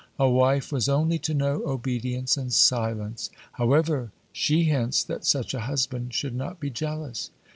A wife was only to know obedience and silence: however, she hints that such a husband should not be jealous!